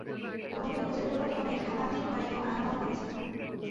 তোমাকে খুঁজে বের করতে হবে খাতাঞ্জির ঘরে কেউ আনাগোনা করছে কি না।